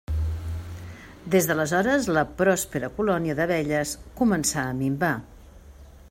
Des d'aleshores, la pròspera colònia d'abelles començà a minvar.